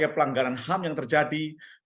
pelanggaran ham yang terjadi